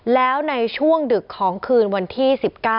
แล้วในช่วงดึกของคืนวันที่๑๙